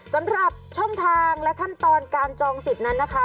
สำหรับช่องทางและขั้นตอนการจองสิทธิ์นั้นนะคะ